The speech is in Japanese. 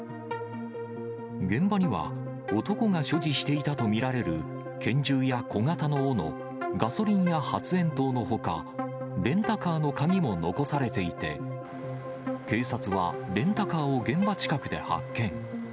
現場には、男が所持していたと見られる拳銃や小型のおの、ガソリンや発煙筒のほか、レンタカーの鍵も残されていて、警察は、レンタカーを現場近くで発見。